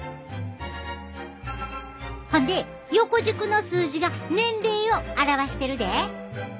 ほんで横軸の数字が年齢を表してるで。